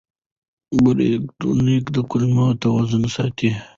پروبیوتیکونه د کولمو توازن ساتي.